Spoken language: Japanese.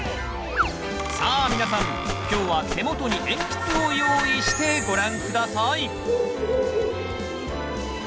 さあ皆さん今日は手元に鉛筆を用意してご覧下さい！